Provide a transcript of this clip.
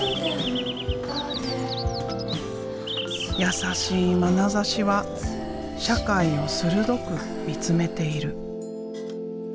優しいまなざしは社会を鋭く見つめている。